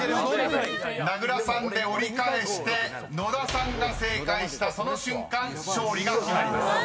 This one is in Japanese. ［名倉さんで折り返して野田さんが正解したその瞬間勝利が決まります］